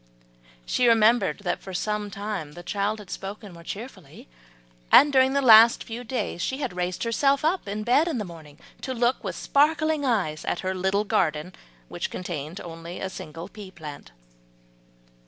She remembered that for some time the child had spoken more cheerfully, and during the last few days had raised herself in bed in the morning to look with sparkling eyes at her little garden which contained only a single pea plant.